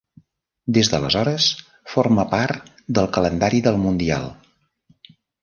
Des d'aleshores forma part del calendari del mundial.